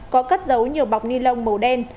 có cắt dấu nhiều bọc ni lông màu đen